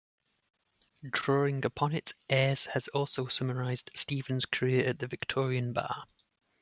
Drawing upon it, Ayres has also summarised Stephen's career at the Victorian Bar.